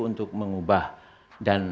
untuk mengubah dan